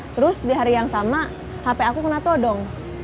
terus di hari yang sama hp aku kena todong